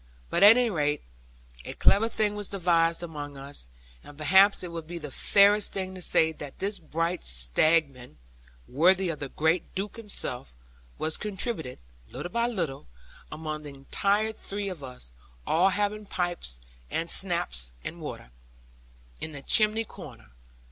But at any rate, a clever thing was devised among us; and perhaps it would be the fairest thing to say that this bright stratagem (worthy of the great Duke himself) was contributed, little by little, among the entire three of us, all having pipes, and schnapps and water, in the chimney corner.